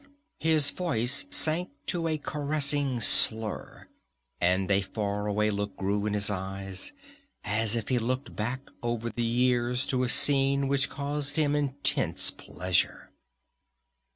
His voice sank to a caressing slur, and a far away look grew in his eyes, as if he looked back over the years to a scene which caused him intense pleasure.